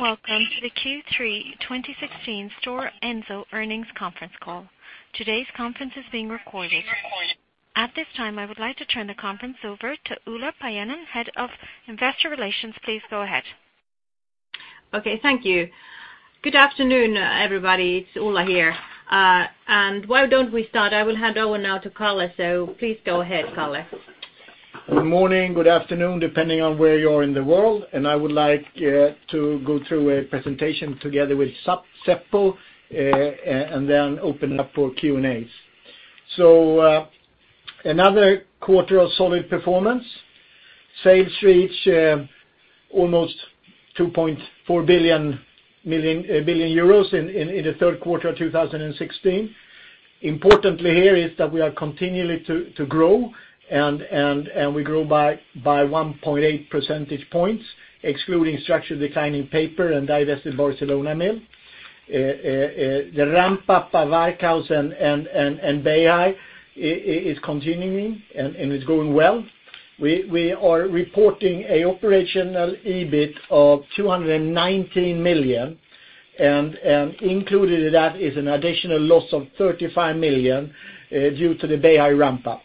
Welcome to the Q3 2016 Stora Enso earnings conference call. Today's conference is being recorded. At this time, I would like to turn the conference over to Ulla Paajanen-Sainio, Head of Investor Relations. Please go ahead. Okay. Thank you. Good afternoon, everybody. It's Ulla here. Why don't we start? I will hand over now to Kalle. Please go ahead, Kalle. Good morning, good afternoon, depending on where you are in the world. I would like to go through a presentation together with Seppo, and then open it up for Q&As. Another quarter of solid performance. Sales reach almost 2.4 billion euros in the third quarter of 2016. Importantly here is that we are continuing to grow. We grow by 1.8 percentage points, excluding structural decline in paper and divested Barcelona mill. The ramp-up of Varkaus and Beihai is continuing, and is going well. We are reporting an operational EBIT of 219 million. Included in that is an additional loss of 35 million due to the Beihai ramp-up.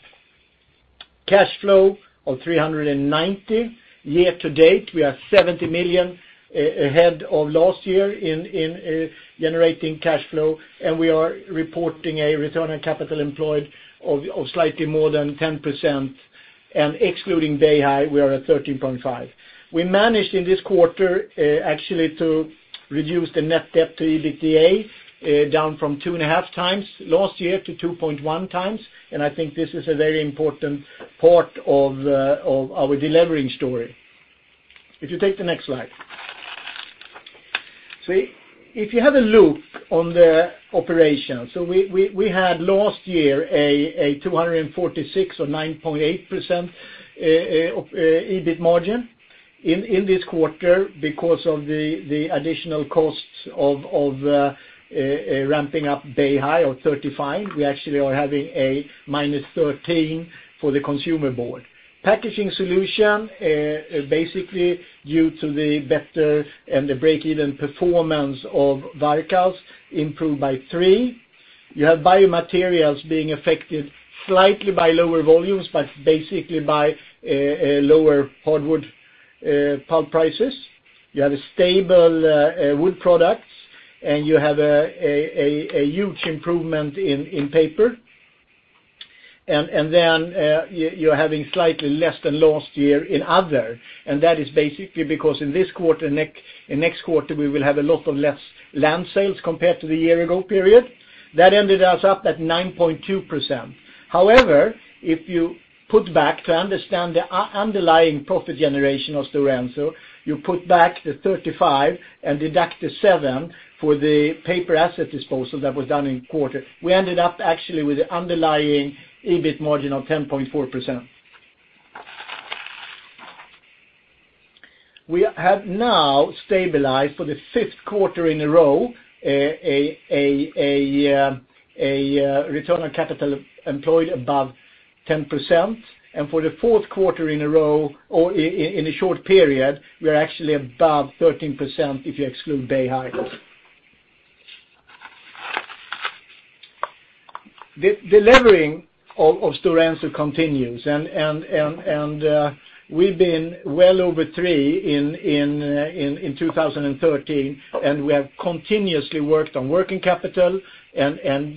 Cash flow of 390 million. Year to date, we are 70 million ahead of last year in generating cash flow. We are reporting a return on capital employed of slightly more than 10%. Excluding Beihai, we are at 13.5%. We managed in this quarter actually to reduce the net debt to EBITDA down from 2.5 times last year to 2.1 times. I think this is a very important part of our delevering story. If you take the next slide. If you have a look on the operation. We had last year a 246 million or 9.8% EBIT margin. In this quarter, because of the additional costs of ramping up Beihai of 35 million, we actually are having a minus 13% for the Consumer Board. Packaging Solutions, basically due to the better and the break-even performance of Varkaus, improved by 3%. You have Biomaterials being affected slightly by lower volumes, but basically by lower hardwood pulp prices. You have a stable Wood Products, and you have a huge improvement in paper. You're having slightly less than last year in other, and that is basically because in this quarter, in next quarter, we will have a lot of less land sales compared to the year-ago period. That ended us up at 9.2%. If you put back to understand the underlying profit generation of Stora Enso, you put back the 35 and deduct the 7 for the paper asset disposal that was done in quarter. We ended up actually with the underlying EBIT margin of 10.4%. We have now stabilized for the fifth quarter in a row, a return on capital employed above 10%, and for the fourth quarter in a row or in a short period, we are actually above 13% if you exclude Beihai. The delevering of Stora Enso continues. We've been well over 3 in 2013, and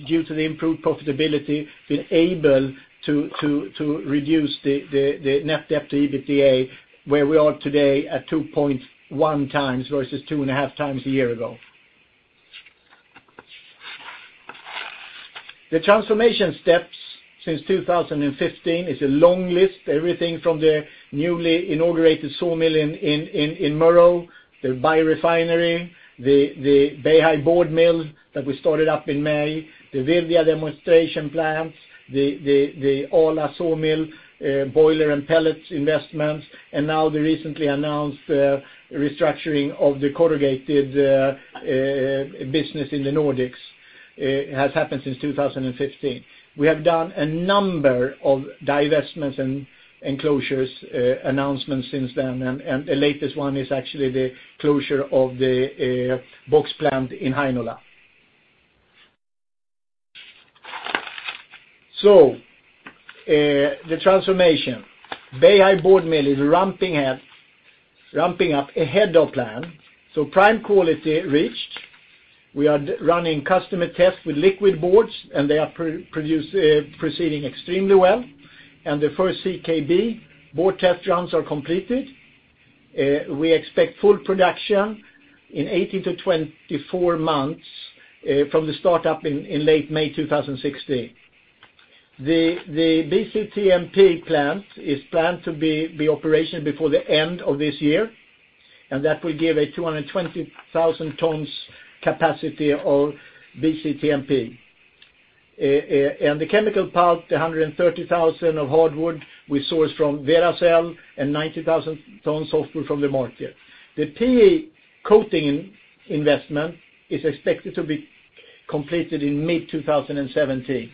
due to the improved profitability, been able to reduce the net debt to EBITDA, where we are today at 2.1 times versus 2.5 times a year ago. The transformation steps since 2015 is a long list. From the newly inaugurated sawmill in Murów, the biorefinery, the Beihai board mill that we started up in May, the Virdia demonstration plants, the Oulu sawmill, boiler and pellets investments, and now the recently announced restructuring of the corrugated business in the Nordics has happened since 2015. We have done a number of divestments and closures announcements since then, and the latest one is actually the closure of the box plant in Heinola. The transformation. Beihai board mill is ramping up ahead of plan. Prime quality reached. We are running customer tests with liquid boards, and they are proceeding extremely well. The first CKB board test runs are completed. We expect full production in 18-24 months from the startup in late May 2016. The BCTMP plant is planned to be operational before the end of this year, and that will give a 220,000 tons capacity of BCTMP. The chemical pulp, the 130,000 of hardwood we source from Veracel and 90,000 tons softwood from the market. The PE coating investment is expected to be completed in mid-2017.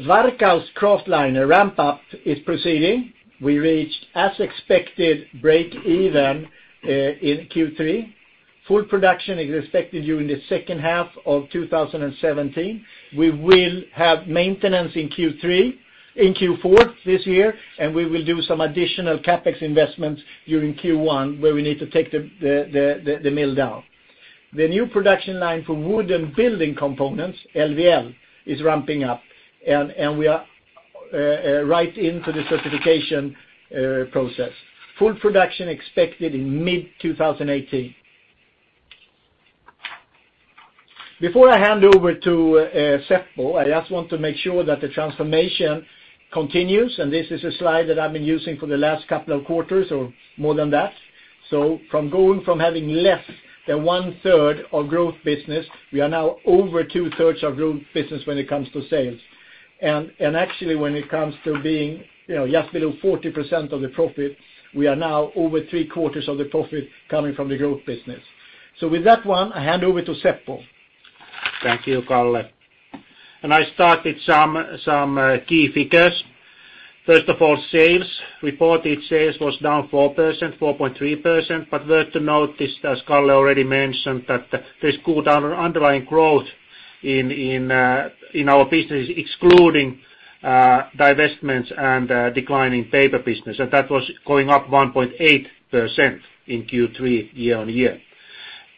Varkaus kraftliner ramp-up is proceeding. We reached, as expected, break even in Q3. Full production is expected during the second half of 2017. We will have maintenance in Q4 this year, and we will do some additional CapEx investments during Q1, where we need to take the mill down. The new production line for wood and building components, LVL, is ramping up, and we are right into the certification process. Full production expected in mid-2018. Before I hand over to Seppo, I just want to make sure that the transformation continues. This is a slide that I've been using for the last couple of quarters or more than that. From going from having less than one-third of growth business, we are now over two-thirds of growth business when it comes to sales. Actually, when it comes to being just below 40% of the profit, we are now over three-quarters of the profit coming from the growth business. With that one, I hand over to Seppo. Thank you, Kalle. I start with some key figures. First of all, sales. Reported sales was down 4.3%, but worth to notice, as Kalle already mentioned, that there's good underlying growth in our business excluding divestments and declining paper business, and that was going up 1.8% in Q3 year-on-year.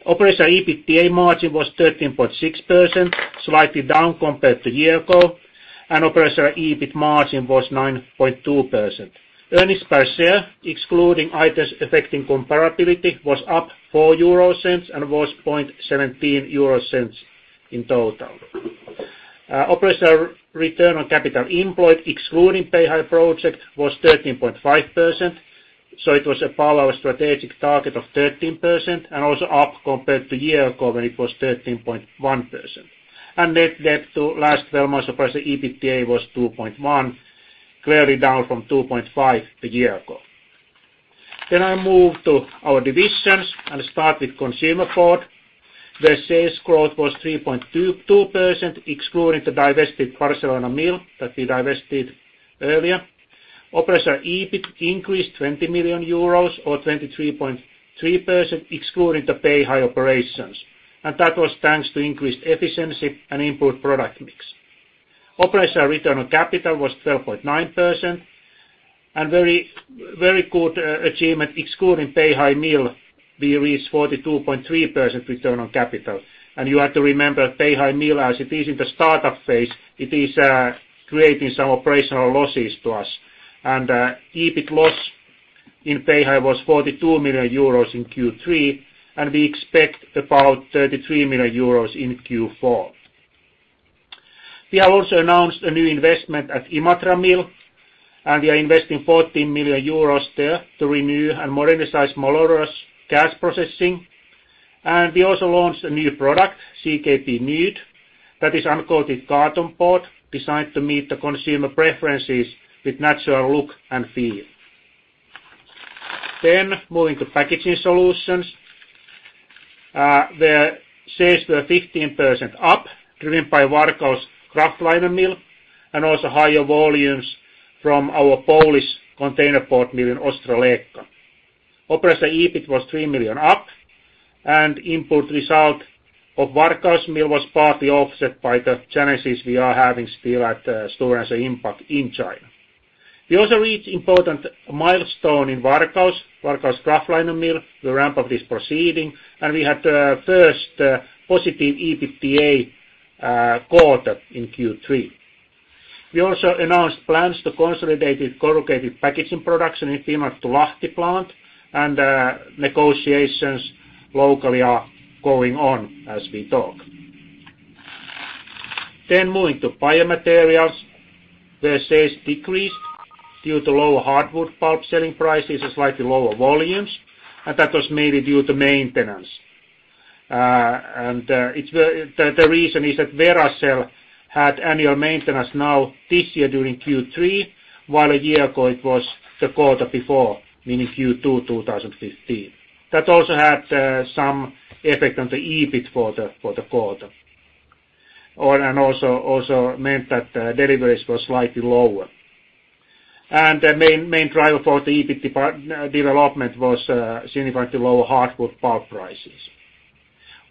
Operational EBITDA margin was 13.6%, slightly down compared to a year ago, and operational EBIT margin was 9.2%. Earnings per share, excluding items affecting comparability, was up 0.04 and was 0.0017 in total. Operational return on capital employed, excluding Beihai project, was 13.5%, so it was above our strategic target of 13% and also up compared to a year ago when it was 13.1%. Net debt to last 12-months operational EBITDA was 2.1, clearly down from 2.5 a year ago. I move to our divisions and start with Consumer Board, where sales growth was 3.2% excluding the divested Barcelona mill that we divested earlier. Operational EBIT increased 20 million euros or 23.3%, excluding the Beihai operations. That was thanks to increased efficiency and improved product mix. Operational return on capital was 12.9%. Very good achievement, excluding Beihai Mill, we reached 42.3% return on capital. You have to remember, Beihai Mill, as it is in the startup phase, it is creating some operational losses to us. EBIT loss in Beihai was 42 million euros in Q3, and we expect about 33 million euros in Q4. We have also announced a new investment at Imatra Mill, and we are investing 14 million euros there to renew and modernize malodorous gas processing. We also launched a new product, CKB Nude, that is uncoated carton board designed to meet the consumer preferences with natural look and feel. Moving to Packaging Solutions. The sales were 15% up, driven by Varkaus kraftliner mill and also higher volumes from our Polish container board mill in Ostrołęka. Operational EBIT was 3 million up and input result of Varkaus mill was partly offset by the challenges we are having still at Stora Enso Inpac in China. We also reached important milestone in Varkaus. Varkaus kraftliner mill, the ramp-up is proceeding, and we had the first positive EBITDA quarter in Q3. We also announced plans to consolidate corrugated packaging production in Finland to Lahti plant, and negotiations locally are going on as we talk. Moving to Biomaterials. Sales decreased due to lower hardwood pulp selling prices and slightly lower volumes, and that was mainly due to maintenance. The reason is that Veracel had annual maintenance now this year during Q3, while a year ago it was the quarter before, meaning Q2 2015. That also had some effect on the EBIT for the quarter. Also meant that deliveries were slightly lower. The main driver for the EBIT development was significantly lower hardwood pulp prices.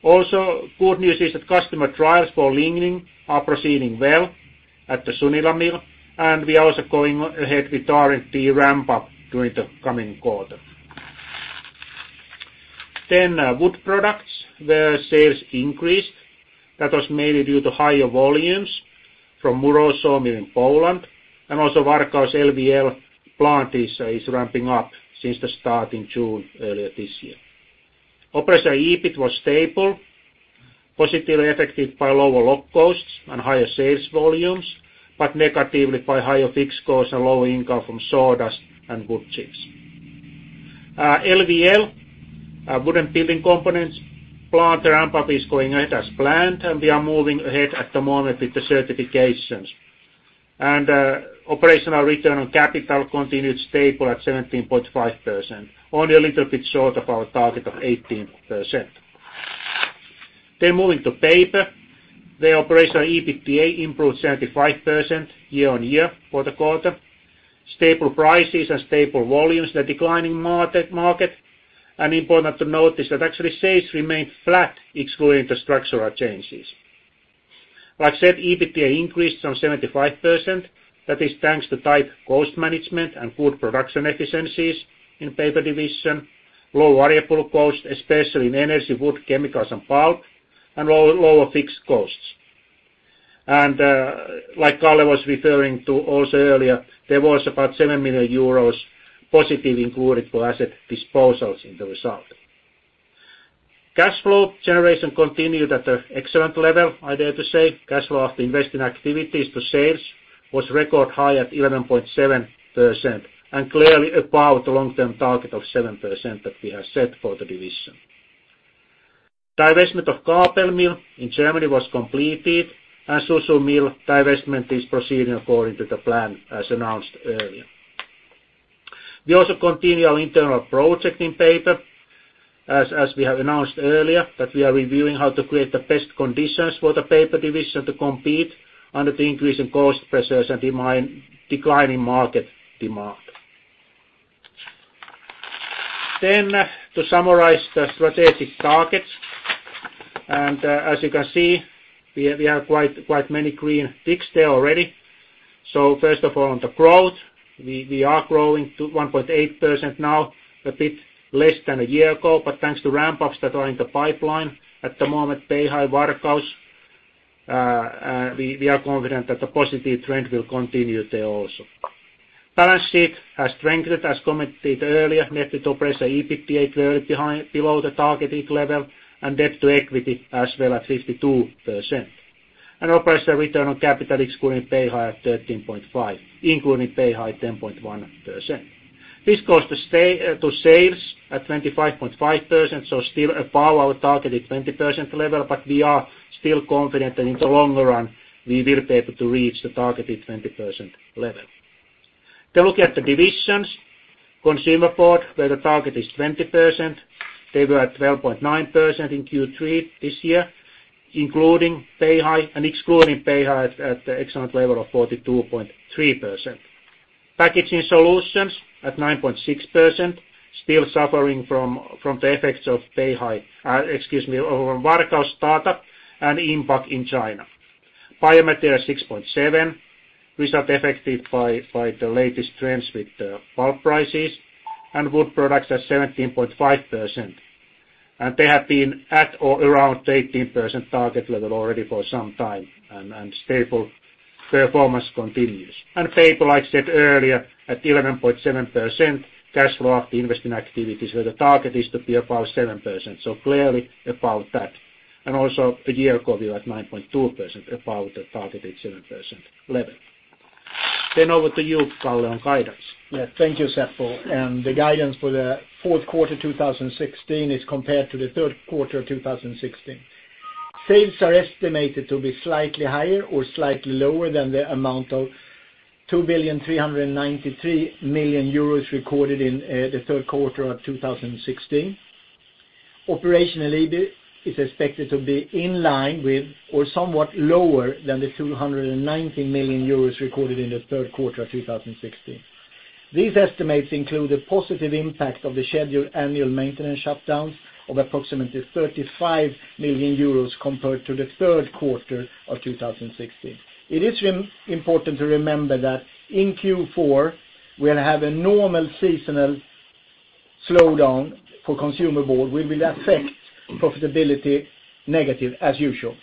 Also good news is that customer trials for Lineo are proceeding well at the Sunila Mill, and we are also going ahead with R&D ramp-up during the coming quarter. Wood Products. Their sales increased. That was mainly due to higher volumes from Murów Sawmill in Poland, and also Varkaus LVL plant is ramping up since the start in June earlier this year. Operational EBIT was stable, positively affected by lower log costs and higher sales volumes, but negatively by higher fixed costs and lower income from sawdust and wood chips. LVL, wooden building components plant ramp-up is going ahead as planned, and we are moving ahead at the moment with the certifications. Operational return on capital continued stable at 17.5%, only a little bit short of our target of 18%. Moving to Paper. The operational EBITDA improved 75% year-over-year for the quarter. Stable prices and stable volumes in a declining market. Important to note is that actually sales remained flat excluding the structural changes. Like I said, EBITDA increased some 75%. That is thanks to tight cost management and good production efficiencies in Paper division. Low variable cost, especially in energy, wood, chemicals and pulp, and lower fixed costs. Like Kalle was referring to also earlier, there was about 7 million euros positive included for asset disposals in the result. Cash flow generation continued at an excellent level, I dare to say. Cash flow after investing activities to sales was record high at 11.7% and clearly above the long-term target of 7% that we have set for the division. Divestment of Kabel Mill in Germany was completed, and Suzhou Mill divestment is proceeding according to the plan as announced earlier. We also continue our internal project in Paper, as we have announced earlier that we are reviewing how to create the best conditions for the Paper division to compete under the increasing cost pressures and declining market demand. To summarize the strategic targets. As you can see, we have quite many green ticks there already. First of all, on the growth, we are growing to 1.8% now, a bit less than a year ago, but thanks to ramp-ups that are in the pipeline at the moment, Beihai, Varkaus, we are confident that the positive trend will continue there also. Balance sheet has strengthened, as commented earlier. Net operating EBITDA clearly below the targeted level, and debt to equity as well at 52%. Operating return on capital excluding Beihai at 13.5%, including Beihai, 10.1%. This goes to sales at 25.5%, so still above our targeted 20% level, but we are still confident that in the longer run we will be able to reach the targeted 20% level. Look at the divisions. Consumer Board, where the target is 20%, they were at 12.9% in Q3 this year, including Beihai and excluding Beihai at the excellent level of 42.3%. Packaging Solutions at 9.6%, still suffering from the effects of Varkaus startup and Inpac in China. Biomaterials 6.7%, result affected by the latest trends with the pulp prices, Wood Products at 17.5%. They have been at or around the 18% target level already for some time and stable performance continues. Paper, like I said earlier, at 11.7%, cash flow after investing activities, where the target is to be above 7%, so clearly above that. Also a year ago, we were at 9.2% above the targeted 7% level. Over to you, Kalle, on guidance. Thank you, Seppo. The guidance for the fourth quarter 2016 is compared to the third quarter 2016. Sales are estimated to be slightly higher or slightly lower than the amount of 2,393 million euros recorded in the third quarter of 2016. Operationally, it is expected to be in line with or somewhat lower than the 219 million euros recorded in the third quarter of 2016. These estimates include a positive impact of the scheduled annual maintenance shutdowns of approximately 35 million euros compared to the third quarter of 2016. It is important to remember that in Q4, we'll have a normal seasonal slowdown for Consumer Board will affect profitability negative as usual.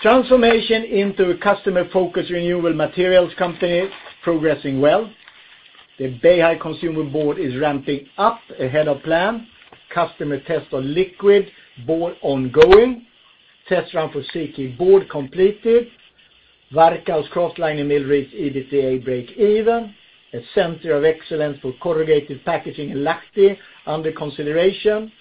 Transformation into a customer-focused renewable materials company is progressing well. The Beihai Consumer Board is ramping up ahead of plan. Customer test on liquid board ongoing. Test run for CKB completed. Varkaus kraftliner and mill reach EBITDA break even. A center of excellence for corrugated packaging in Lahti under consideration.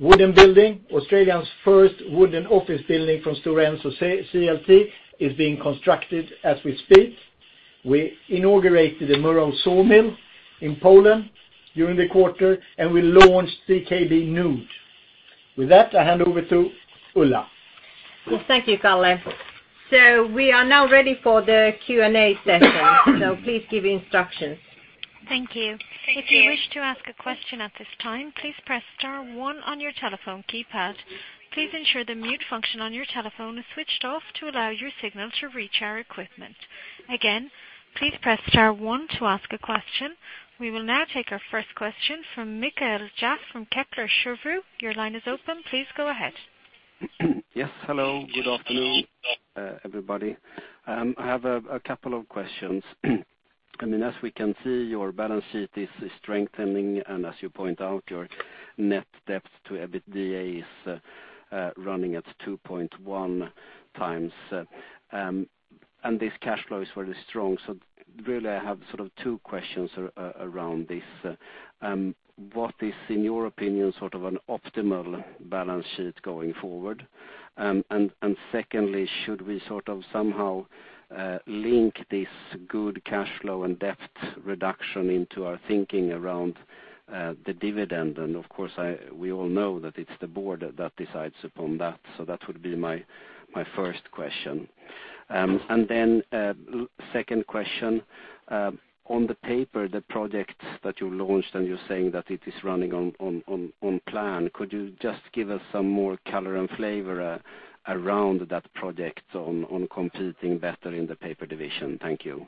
Wooden building, Australia's first wooden office building from Stora Enso CLT is being constructed as we speak. We inaugurated the Murów sawmill in Poland during the quarter, we launched CKB Nude. I hand over to Ulla. Thank you, Kalle. We are now ready for the Q&A session. Please give instructions. Thank you. If you wish to ask a question at this time, please press star one on your telephone keypad. Please ensure the mute function on your telephone is switched off to allow your signal to reach our equipment. Again, please press star one to ask a question. We will now take our first question from Mikael Jafs from Kepler Cheuvreux. Your line is open. Please go ahead. Yes, hello. Good afternoon, everybody. I have a couple of questions. As we can see, your balance sheet is strengthening, and as you point out, your net debt to EBITDA is running at 2.1 times. This cash flow is really strong. Really, I have two questions around this. What is, in your opinion, an optimal balance sheet going forward? Secondly, should we somehow link this good cash flow and debt reduction into our thinking around the dividend? Of course, we all know that it's the board that decides upon that. That would be my first question. Then second question, on the paper, the projects that you launched, and you're saying that it is running on plan, could you just give us some more color and flavor around that project on competing better in the paper division? Thank you.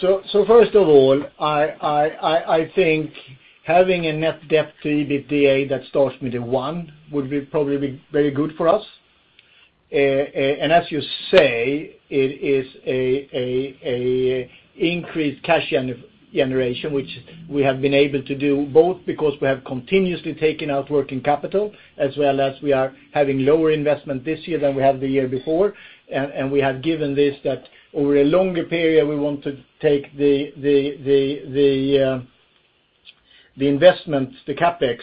First of all, I think having a net debt to EBITDA that starts with a one would be probably very good for us. As you say, it is a increased cash generation, which we have been able to do, both because we have continuously taken out working capital, as well as we are having lower investment this year than we have the year before. We have given this that over a longer period, we want to take the investments, the CapEx,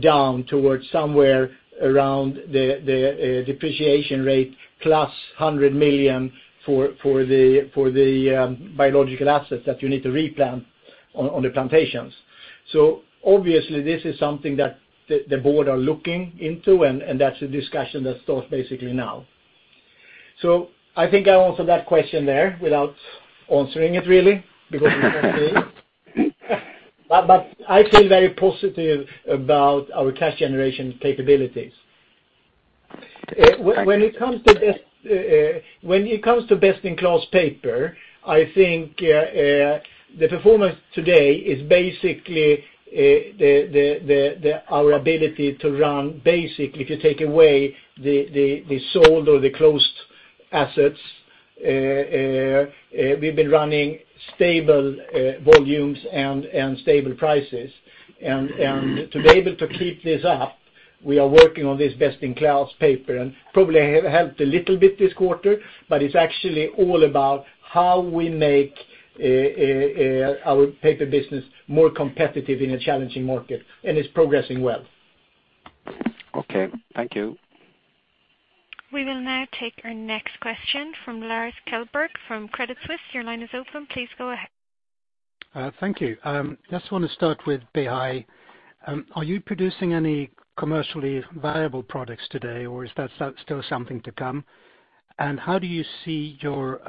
down towards somewhere around the depreciation rate plus 100 million for the biological assets that you need to replant on the plantations. Obviously, this is something that the board are looking into, and that's a discussion that starts basically now. I think I answered that question there without answering it really, because I feel very positive about our cash generation capabilities. Thank you. When it comes to best-in-class paper, I think the performance today is basically our ability to run basic. If you take away the sold or the closed assets, we've been running stable volumes and stable prices. To be able to keep this up, we are working on this best-in-class paper, and probably have helped a little bit this quarter, but it's actually all about how we make our paper business more competitive in a challenging market, and it's progressing well. Okay. Thank you. We will now take our next question from Lars Kjellberg from Credit Suisse. Your line is open. Please go ahead. Thank you. Just want to start with Beihai. Are you producing any commercially viable products today, or is that still something to come? How do you see your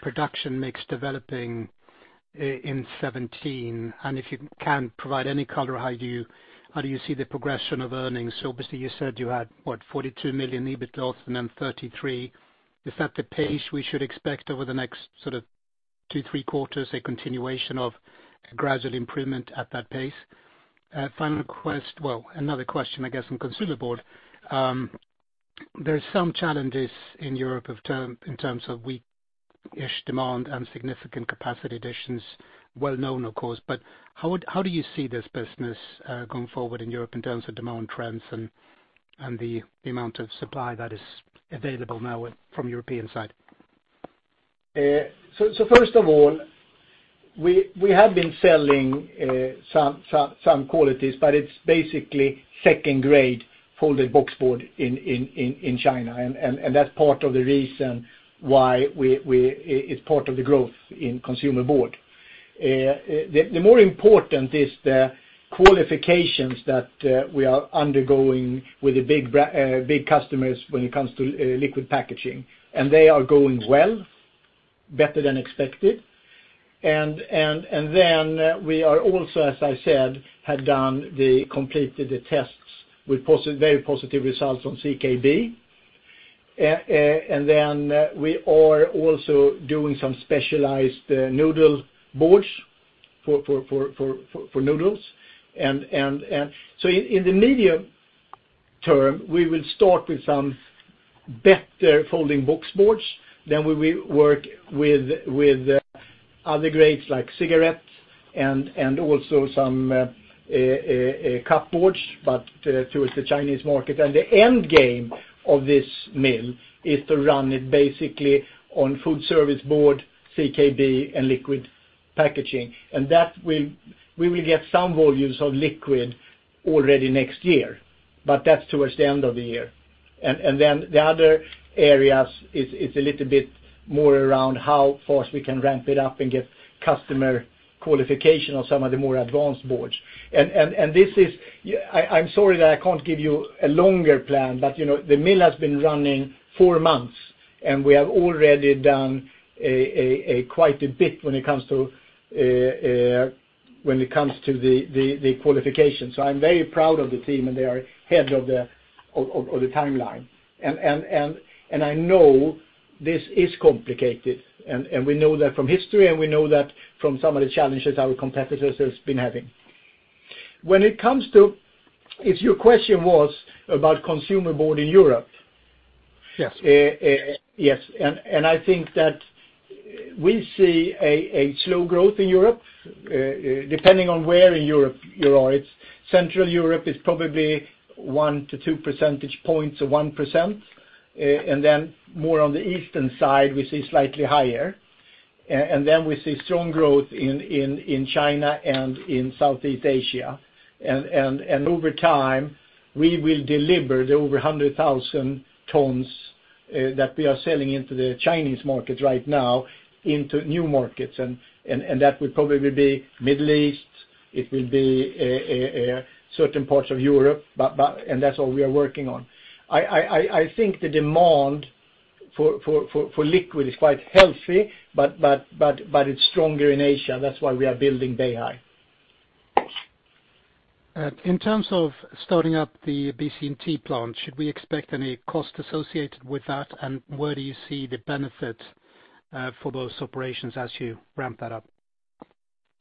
production mix developing in 2017? If you can provide any color, how do you see the progression of earnings? Obviously, you said you had, what, 42 million EBIT loss and then 33. Is that the pace we should expect over the next two, three quarters, a continuation of gradual improvement at that pace? Another question, I guess, on Consumer Board. There are some challenges in Europe in terms of weak-ish demand and significant capacity additions. Well known, of course, but how do you see this business going forward in Europe in terms of demand trends and the amount of supply that is available now from European side? First of all, we have been selling some qualities, but it's basically second-grade folding boxboard in China, and that's part of the reason why it's part of the growth in Consumer Board. The more important is the qualifications that we are undergoing with the big customers when it comes to liquid packaging. They are going well, better than expected. Then we are also, as I said, had completed the tests with very positive results on CKB. Then we are also doing some specialized noodle boards for noodles. In the medium term, we will start with some better folding boxboards, then we will work with other grades like cigarettes and also some cupboards, but towards the Chinese market. The end game of this mill is to run it basically on food service board, CKB, and liquid packaging. That we will get some volumes of liquid already next year, but that's towards the end of the year. Then the other areas, it's a little bit more around how fast we can ramp it up and get customer qualification on some of the more advanced boards. I'm sorry that I can't give you a longer plan, but the mill has been running four months, and we have already done quite a bit when it comes to the qualifications. I'm very proud of the team, and they are ahead of the timeline. I know this is complicated, and we know that from history, and we know that from some of the challenges our competitors has been having. If your question was about Consumer Board in Europe- Yes. Yes, I think that we see a slow growth in Europe, depending on where in Europe you are. Central Europe is probably 1 to 2 percentage points or 1%, then more on the eastern side, we see slightly higher. Then we see strong growth in China and in Southeast Asia. Over time, we will deliver the over 100,000 tons that we are selling into the Chinese market right now into new markets, and that will probably be Middle East, it will be certain parts of Europe, and that's what we are working on. I think the demand for liquid is quite healthy, but it's stronger in Asia, that's why we are building Beihai. In terms of starting up the BCTMP plant, should we expect any cost associated with that? Where do you see the benefit for those operations as you ramp that up?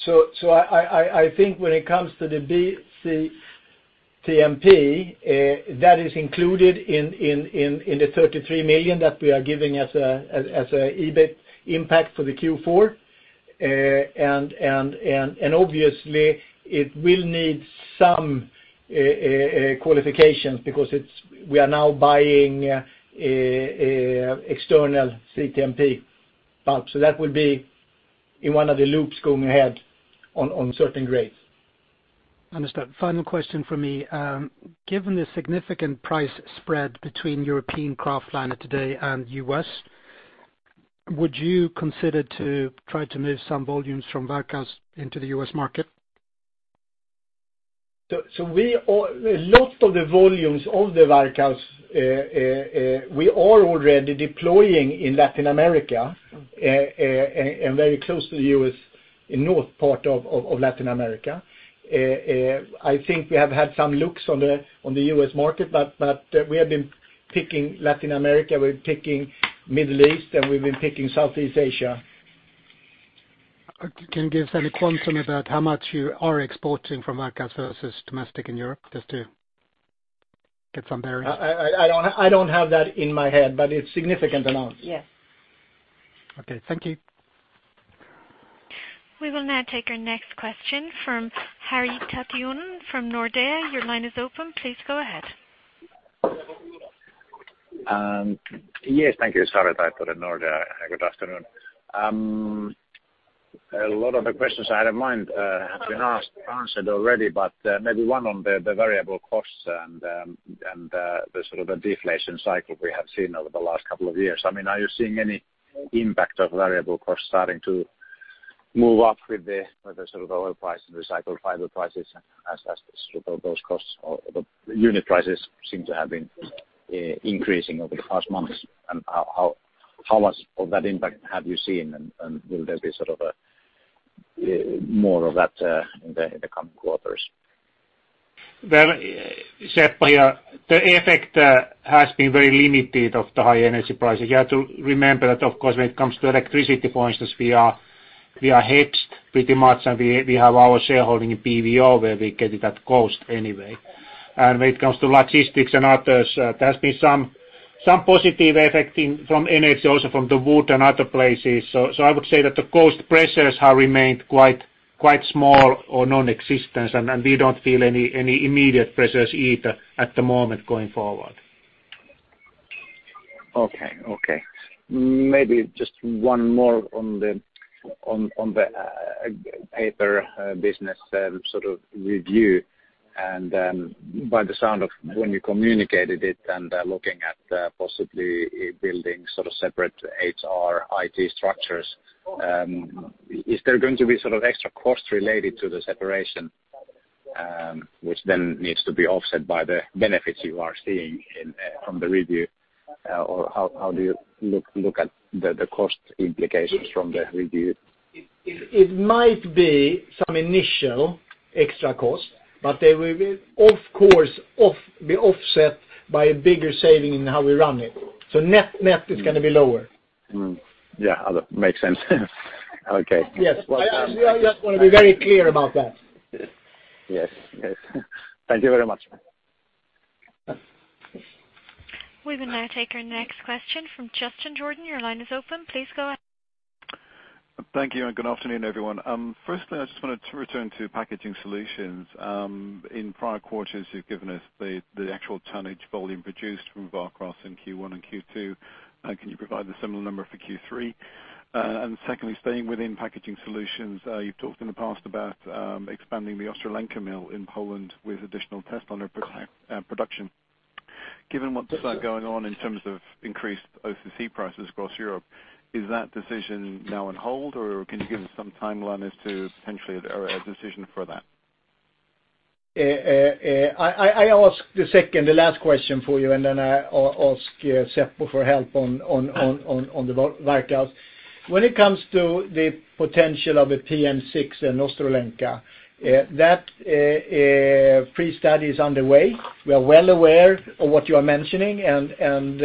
I think when it comes to the BCTMP, that is included in the 33 million that we are giving as an EBIT impact for the Q4. Obviously it will need some qualifications because we are now buying external CTMP pulp. That will be in one of the loops going ahead on certain grades. Understood. Final question from me. Given the significant price spread between European kraftliner today and U.S., would you consider to try to move some volumes from Varkaus into the U.S. market? A lot of the volumes of the Varkaus, we are already deploying in Latin America, and very close to the U.S. in north part of Latin America. I think we have had some looks on the U.S. market, but we have been picking Latin America, we're picking Middle East, and we've been picking Southeast Asia. Can you give us any quantum about how much you are exporting from Varkaus versus domestic in Europe, just to get some bearings? I don't have that in my head, but it's significant amounts. Yes. Okay, thank you. We will now take our next question from Harri Taittonen from Nordea. Your line is open. Please go ahead. Yes, thank you. Harri Taittonen for the Nordea. Good afternoon. A lot of the questions I had in mind have been answered already, but maybe one on the variable costs and the deflation cycle we have seen over the last couple of years. Are you seeing any impact of variable costs starting to move up with the oil price and recycled fiber prices as those costs or the unit prices seem to have been increasing over the past months? How much of that impact have you seen and will there be more of that in the coming quarters? Well, Seppo here. The effect has been very limited of the high energy prices. You have to remember that of course, when it comes to electricity, for instance, we are hedged pretty much, and we have our shareholding in PVO where we get it at cost anyway. When it comes to logistics and others, there has been some positive effect from energy, also from the wood and other places. I would say that the cost pressures have remained quite small or non-existent, and we don't feel any immediate pressures either at the moment going forward. Okay. Maybe just one more on the paper business review. By the sound of when you communicated it and looking at possibly building separate HR, IT structures, is there going to be extra cost related to the separation, which then needs to be offset by the benefits you are seeing from the review? How do you look at the cost implications from the review? It might be some initial extra cost, they will of course be offset by a bigger saving in how we run it. Net is going to be lower. Yeah, makes sense. Okay. Yes. I just want to be very clear about that. Yes. Thank you very much. We will now take our next question from Justin Jordan. Your line is open. Please go ahead. Thank you. Good afternoon, everyone. Firstly, I just wanted to return to Packaging Solutions. In prior quarters, you've given us the actual tonnage volume produced from Varkaus in Q1 and Q2. Can you provide the similar number for Q3? Secondly, staying within Packaging Solutions, you've talked in the past about expanding the Ostrołęka mill in Poland with additional test on their production. Given what's going on in terms of increased OCC prices across Europe, is that decision now on hold, or can you give us some timeline as to potentially a decision for that? I ask the second, the last question for you, and then I ask Seppo for help on the Varkaus. When it comes to the potential of a PM6 in Ostrołęka, that pre-study is underway. We are well aware of what you are mentioning, and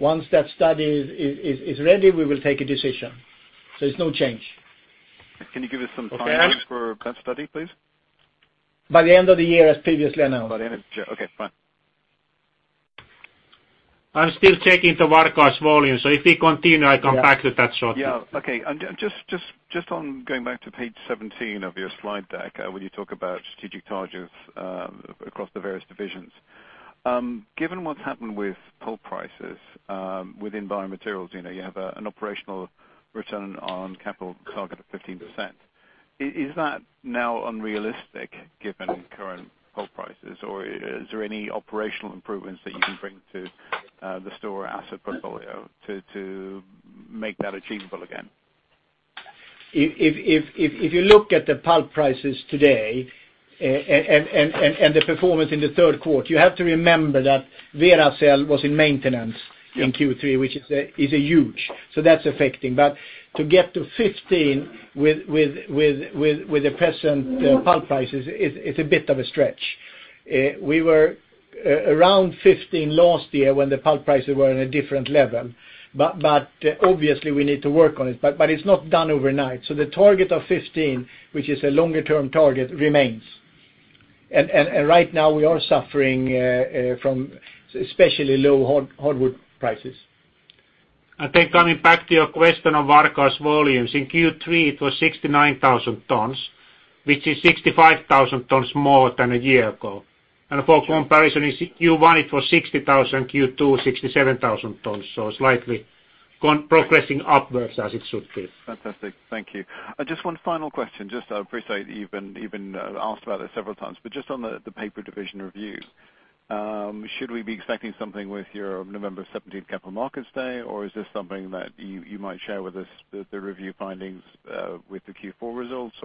once that study is ready, we will take a decision. There's no change. Can you give us some timeline for that study, please? By the end of the year, as previously announced. Okay, fine. I'm still checking the Varkaus volume, if we continue. Yeah I come back to that shortly. Yeah. Okay. Just on going back to page 17 of your slide deck, where you talk about strategic targets across the various divisions. Given what's happened with pulp prices within Biomaterials, you have an operational return on capital target of 15%. Is that now unrealistic given current pulp prices, or is there any operational improvements that you can bring to the Stora Enso asset portfolio to make that achievable again? If you look at the pulp prices today, and the performance in the third quarter, you have to remember that Veracel was in maintenance- Yeah In Q3, which is huge. That's affecting. To get to 15 with the present pulp prices, it's a bit of a stretch. We were around 15 last year when the pulp prices were in a different level. Obviously we need to work on it, but it's not done overnight. The target of 15, which is a longer-term target, remains. Right now we are suffering from especially low hardwood prices. Coming back to your question on Varkaus volumes. In Q3, it was 69,000 tons, which is 65,000 tons more than a year ago. For comparison, in Q1 it was 60,000, Q2 67,000 tons, slightly progressing upwards as it should be. Fantastic. Thank you. Just one final question. I appreciate you've been asked about it several times, just on the paper division review. Should we be expecting something with your November 17th capital markets day, or is this something that you might share with us, the review findings with the Q4 results?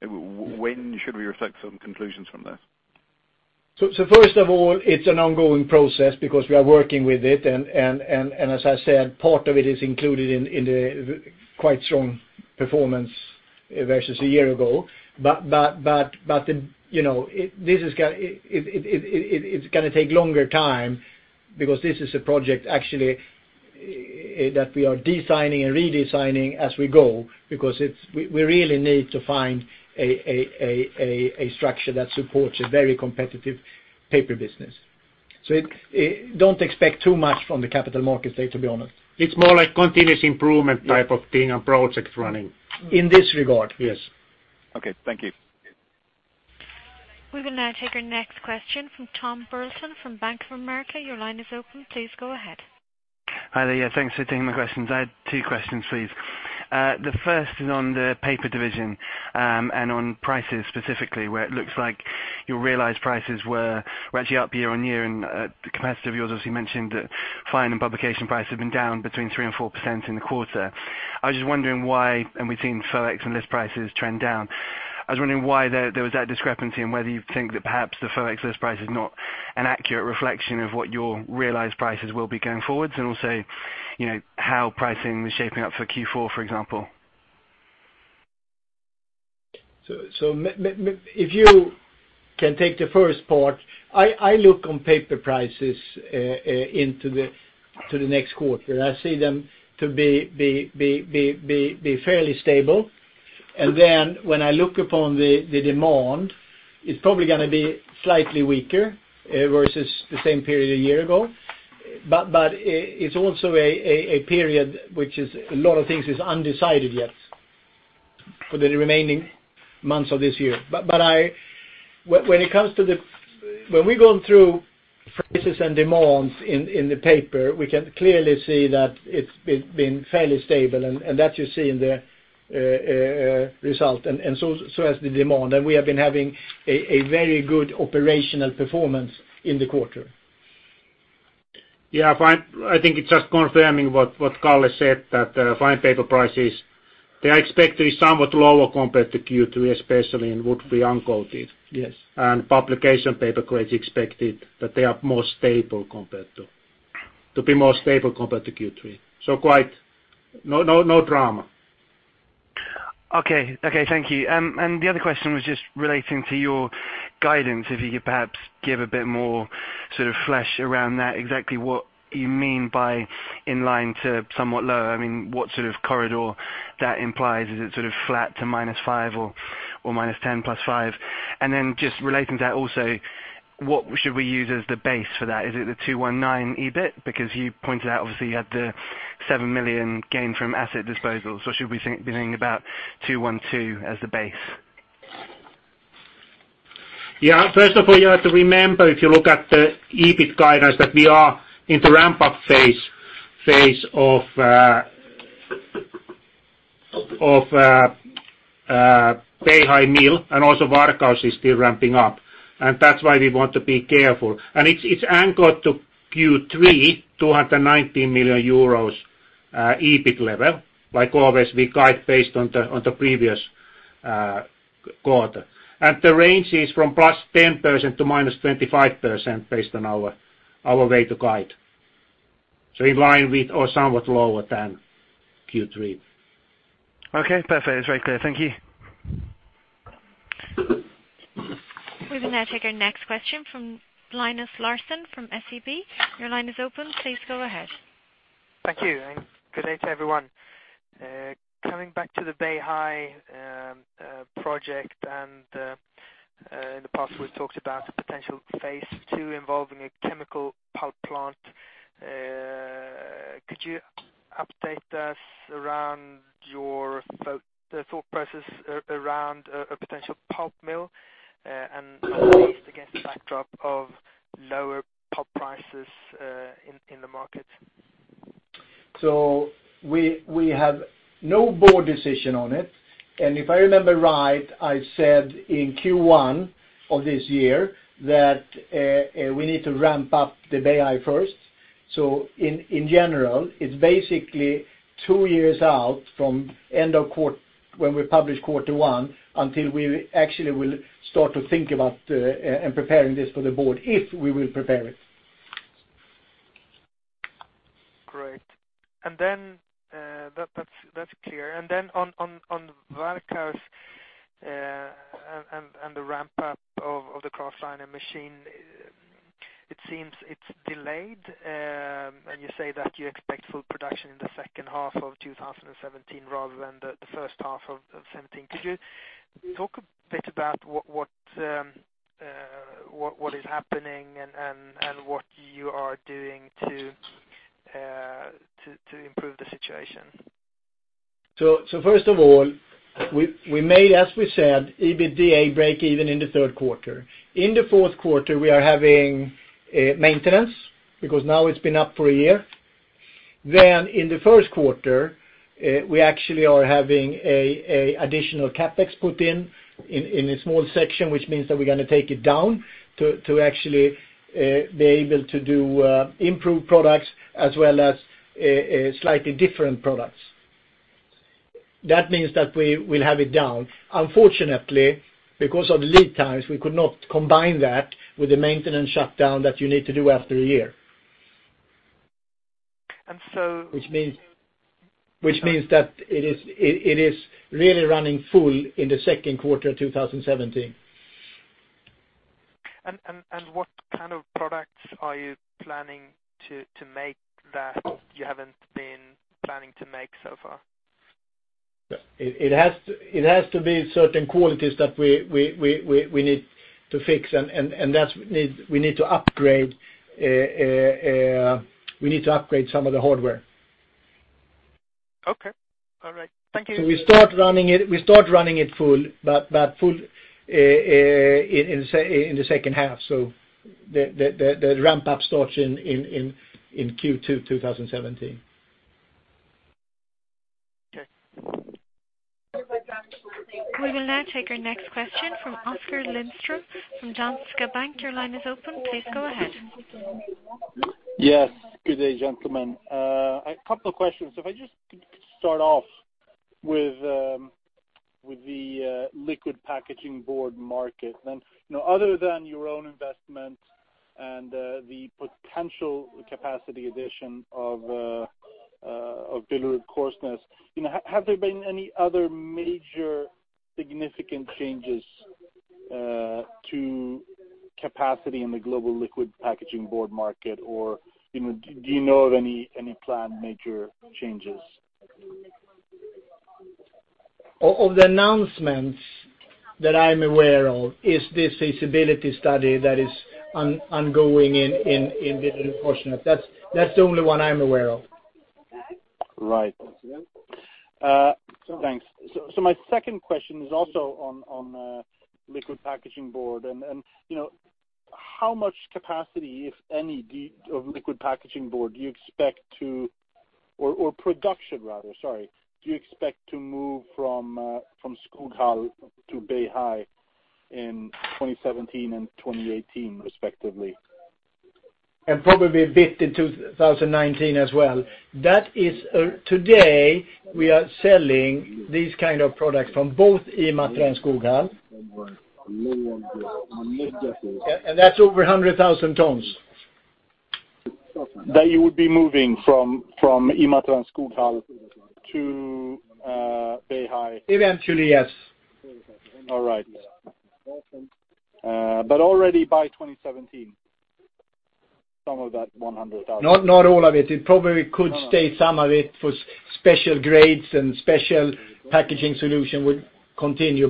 When should we expect some conclusions from this? First of all, it's an ongoing process because we are working with it, and as I said, part of it is included in the quite strong performance versus a year ago. It's going to take longer time because this is a project actually that we are designing and redesigning as we go, because we really need to find a structure that supports a very competitive paper business. Don't expect too much from the capital markets day, to be honest. It's more like continuous improvement type of thing and project running. In this regard, yes. Okay. Thank you. We will now take our next question from Tom Burlison from Bank of America. Your line is open. Please go ahead. Hi there. Thanks for taking my questions. I had two questions, please. The first is on the paper division, and on prices specifically, where it looks like your realized prices were actually up year-on-year, and a competitor of yours obviously mentioned that fine and publication price had been down between 3%-4% in the quarter. I was just wondering why, we've seen FOEX and list prices trend down. I was wondering why there was that discrepancy, and whether you think that perhaps the FOEX list price is not an accurate reflection of what your realized prices will be going forwards, and also, how pricing is shaping up for Q4, for example. If you can take the first part. I look on paper prices into the next quarter. I see them to be fairly stable. When I look upon the demand, it's probably going to be slightly weaker, versus the same period a year ago. It's also a period which is a lot of things is undecided yet for the remaining months of this year. When we've gone through prices and demands in the paper, we can clearly see that it's been fairly stable, and that you see in the result. So has the demand. We have been having a very good operational performance in the quarter. I think it's just confirming what Kalle said, that fine paper prices, they are expected to be somewhat lower compared to Q3, especially in wood free uncoated. Yes. Publication paper grades expected that they are more stable compared to Q3. Quite, no drama. Okay. Thank you. The other question was just relating to your guidance, if you could perhaps give a bit more sort of flesh around that, exactly what you mean by in line to somewhat low. What sort of corridor that implies. Is it sort of flat to minus five or minus 10 plus five? Then just relating to that also, what should we use as the base for that? Is it the 219 EBIT? Because you pointed out, obviously, you had the 7 million gain from asset disposals. Or should we be thinking about 212 as the base? First of all, you have to remember, if you look at the EBIT guidance, that we are in the ramp-up phase of Beihai Mill, also Varkaus is still ramping up. That's why we want to be careful. It's anchored to Q3 219 million euros EBIT level. Like always, we guide based on the previous quarter. The range is from +10% to -25% based on our way to guide. So in line with or somewhat lower than Q3. Okay. Perfect. It's very clear. Thank you. We will now take our next question from Linus Larsson from SEB. Your line is open. Please go ahead. Thank you, and good day to everyone. Coming back to the Beihai project, in the past we've talked about a potential phase two involving a chemical pulp plant. Could you update us around your thought process around a potential pulp mill, at least against the backdrop of lower pulp prices in the market? We have no board decision on it. If I remember right, I said in Q1 of this year that we need to ramp up the Beihai first. In general, it's basically two years out from when we publish quarter one, until we actually will start to think about and preparing this for the board, if we will prepare it. Great. That's clear. On Varkaus and the ramp-up of the kraftliner machine, it seems it's delayed. You say that you expect full production in the second half of 2017, rather than the first half of 2017. Could you talk a bit about what is happening and what you are doing to improve the situation? First of all, we made, as we said, EBITDA break even in the third quarter. In the fourth quarter, we are having maintenance, because now it's been up for a year. In the first quarter, we actually are having additional CapEx put in a small section, which means that we're going to take it down to actually be able to do improved products as well as slightly different products. That means that we will have it down. Unfortunately, because of lead times, we could not combine that with the maintenance shutdown that you need to do after a year. And so- Which means that it is really running full in the second quarter 2017. What kind of products are you planning to make that you haven't been planning to make so far? It has to be certain qualities that we need to fix, and we need to upgrade some of the hardware. Okay. All right. Thank you. We start running it full, but full in the second half. The ramp-up starts in Q2 2017. Sure. We will now take our next question from Oskar Lindström from Danske Bank. Your line is open. Please go ahead. Yes. Good day, gentlemen. A couple of questions. If I just could start off with the liquid packaging board market. Other than your own investment and the potential capacity addition of BillerudKorsnäs, have there been any other major significant changes to capacity in the global liquid packaging board market? Do you know of any planned major changes? Of the announcements that I'm aware of is this feasibility study that is ongoing in BillerudKorsnäs. That's the only one I'm aware of. Right. Thanks. My second question is also on liquid packaging board. How much capacity, if any, of liquid packaging board do you expect or production rather, sorry, do you expect to move from Skoghall to Beihai in 2017 and 2018 respectively? Probably a bit in 2019 as well. Today, we are selling these kind of products from both Imatra and Skoghall. That's over 100,000 tons. That you would be moving from Imatra and Skoghall to Beihai? Eventually, yes. All right. Already by 2017, some of that 100,000. Not all of it. It probably could stay some of it for special grades and special packaging solution would continue,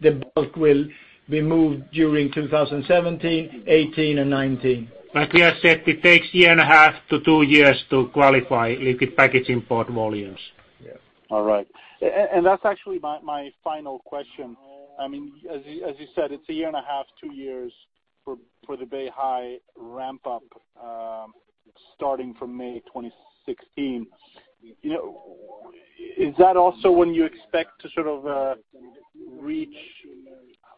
the bulk will be moved during 2017, 2018, and 2019. Like we have said, it takes year and a half to two years to qualify liquid packaging board volumes. Yes. All right. That's actually my final question. As you said, it's a year and a half, two years for the Beihai ramp-up, starting from May 2016. Is that also when you expect to sort of reach,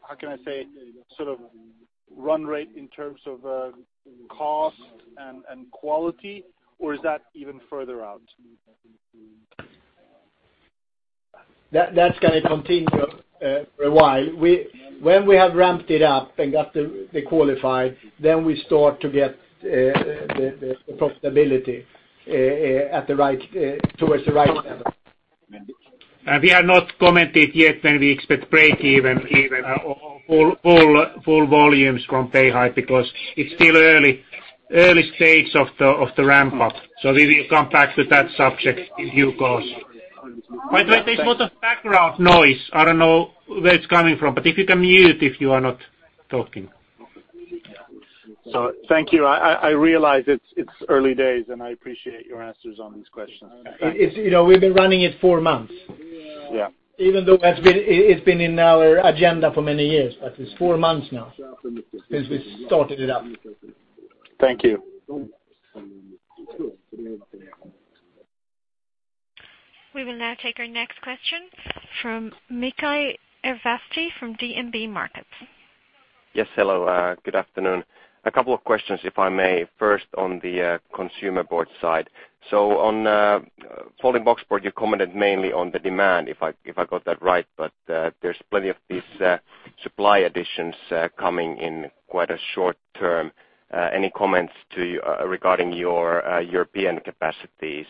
how can I say, run rate in terms of cost and quality? Is that even further out? That's going to continue for a while. When we have ramped it up and got it qualified, we start to get the profitability towards the right level. We have not commented yet when we expect break-even or full volumes from Beihai because it's still early stages of the ramp-up. We will come back to that subject in due course. By the way, there is a lot of background noise. I don't know where it's coming from, if you can mute if you are not talking. Thank you. I realize it's early days, I appreciate your answers on these questions. We've been running it four months. Yeah. Even though it's been in our agenda for many years, but it's four months now since we started it up. Thank you. We will now take our next question from Mikko Ervasti from DNB Markets. Yes, hello. Good afternoon. A couple of questions, if I may. First on the Consumer Board side. On folding boxboard, you commented mainly on the demand, if I got that right, but there's plenty of these supply additions coming in quite a short-term. Any comments regarding your European capacities,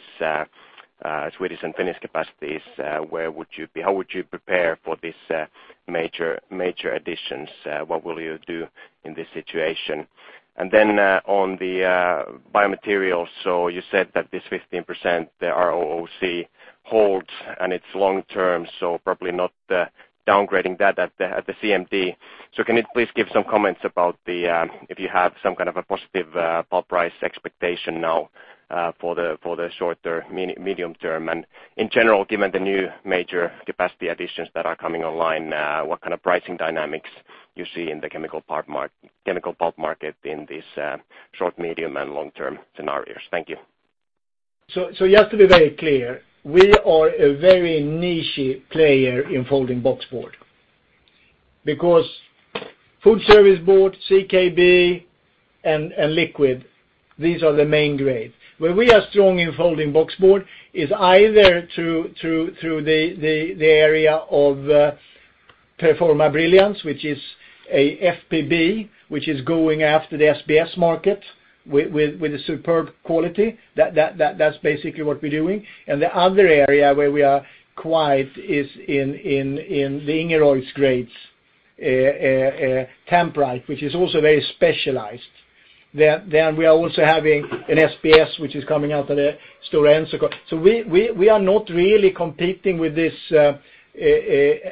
Swedish and Finnish capacities? Where would you be? How would you prepare for these major additions? What will you do in this situation? On the Biomaterials, you said that this 15%, the ROCE holds and it's long-term, probably not downgrading that at the CMD. Can you please give some comments about the, if you have some kind of a positive pulp price expectation now for the shorter medium-term? In general, given the new major capacity additions that are coming online, what kind of pricing dynamics you see in the chemical pulp market in these short, medium, and long-term scenarios? Thank you. Just to be very clear, we are a very niche player in folding boxboard because food service board, CKB and liquid, these are the main grades. Where we are strong in folding boxboard is either through the area of Performa Brilliance, which is a FBB, which is going after the SBS market with a superb quality. That's basically what we're doing. The other area where we are quite is in the Ingerois grades, Tambrite, which is also very specialized. We are also having an SBS, which is coming out of the Skoghall. We are not really competing with this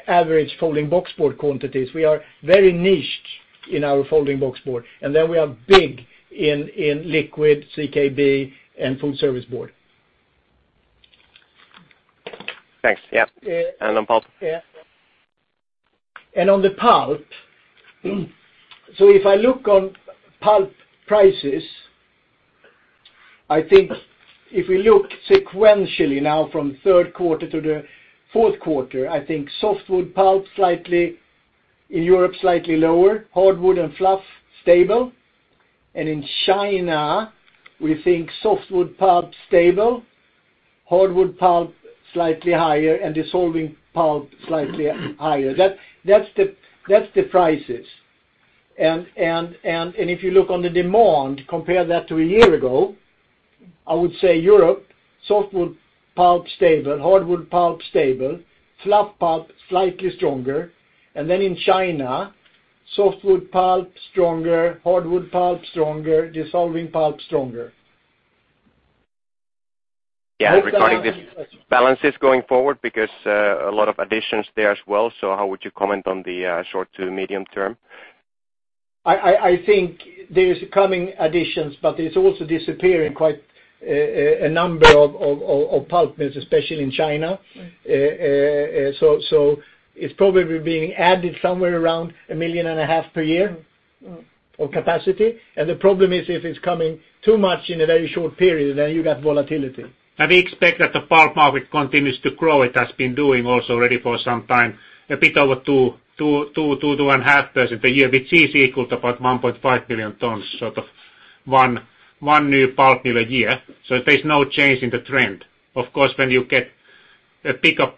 average folding boxboard quantities. We are very niched in our folding boxboard. We are big in liquid, CKB, and food service board. Thanks. Yeah. On pulp? Yeah. On the pulp, if I look on pulp prices, if we look sequentially now from third quarter to the fourth quarter, softwood pulp in Europe slightly lower, hardwood and fluff stable. In China, we think softwood pulp stable, hardwood pulp slightly higher, and dissolving pulp slightly higher. That is the prices. If you look on the demand, compare that to a year ago, Europe, softwood pulp stable, hardwood pulp stable, fluff pulp slightly stronger. In China, softwood pulp stronger, hardwood pulp stronger, dissolving pulp stronger. Yeah, regarding the balances going forward because a lot of additions there as well. How would you comment on the short to medium term? There is coming additions, but it is also disappearing quite a number of pulp mills, especially in China. It is probably being added somewhere around 1.5 million per year of capacity. The problem is if it is coming too much in a very short period, then you got volatility. We expect that the pulp market continues to grow. It has been doing also already for some time, a bit over 2%-2.5% a year, which is equal to about 1.5 million tons, sort of one new pulp mill a year. There is no change in the trend. Of course, when you get a bigger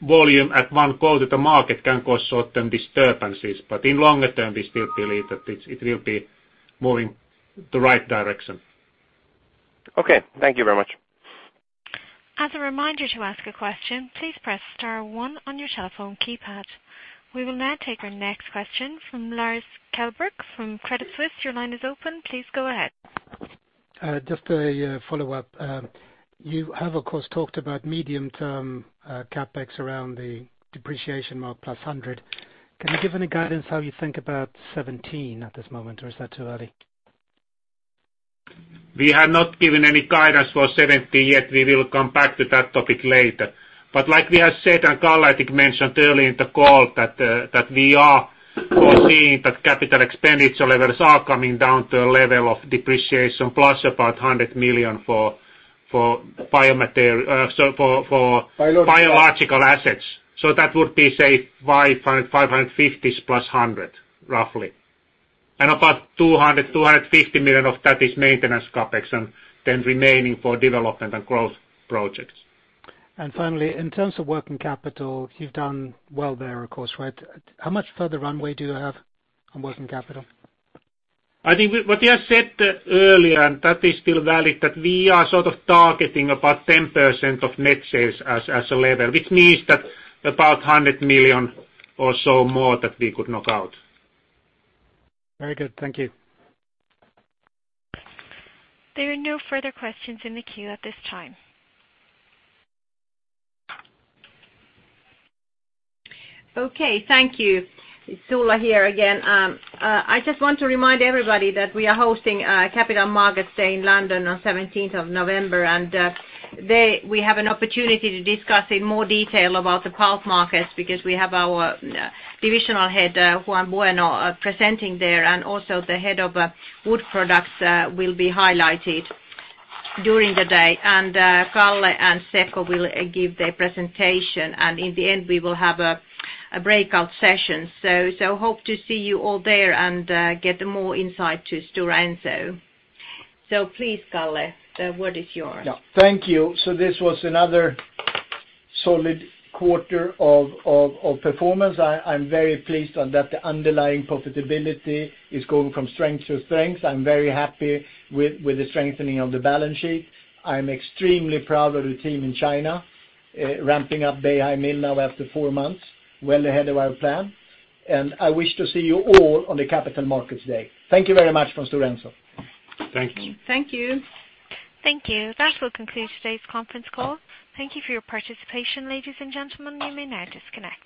volume at one go to the market can cause short-term disturbances, but in longer term, we still believe that it will be moving the right direction. Okay. Thank you very much. As a reminder to ask a question, please press star one on your telephone keypad. We will now take our next question from Lars Kjellberg from Credit Suisse. Your line is open. Please go ahead. Just a follow-up. You have, of course, talked about medium-term CapEx around the depreciation mark plus 100. Can you give any guidance how you think about 2017 at this moment, or is that too early? We have not given any guidance for 2017 yet. We will come back to that topic later. Like we have said, Kalle, I think, mentioned early in the call that we are foreseeing that capital expenditure levels are coming down to a level of depreciation plus about 100 million for biological assets. So that would be, say EUR 500, 550 plus 100, roughly. About 200 million, 250 million of that is maintenance CapEx and then remaining for development and growth projects. Finally, in terms of working capital, you've done well there, of course, right? How much further runway do you have on working capital? I think what we have said earlier, and that is still valid, that we are sort of targeting about 10% of net sales as a level, which means that about 100 million or so more that we could knock out. Very good. Thank you. There are no further questions in the queue at this time. Okay. Thank you. It's Ulla here again. I just want to remind everybody that we are hosting a Capital Markets Day in London on 17th of November, and there we have an opportunity to discuss in more detail about the pulp markets because we have our divisional head, Juan Bueno, presenting there, and also the head of Wood Products will be highlighted during the day. Kalle and Seppo will give their presentation, and in the end, we will have a breakout session. Hope to see you all there and get more insight to Stora Enso. Please, Kalle, the word is yours. Thank you. This was another solid quarter of performance. I'm very pleased that the underlying profitability is going from strength to strength. I'm very happy with the strengthening of the balance sheet. I'm extremely proud of the team in China ramping up Beihai mill now after four months, well ahead of our plan. I wish to see you all on the Capital Markets Day. Thank you very much from Stora Enso. Thank you. Thank you. Thank you. That will conclude today's conference call. Thank you for your participation, ladies and gentlemen. You may now disconnect.